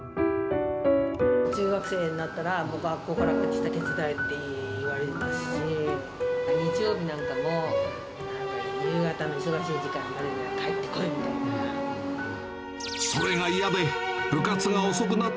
中学生になったら、もう学校から帰ってきたら手伝えって言われますし、日曜日なんかも、夕方の忙しい時間までには帰ってこいみたいな。